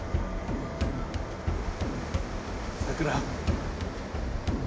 さくら。